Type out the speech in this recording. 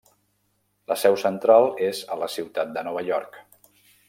La seu central és a la ciutat de Nova York.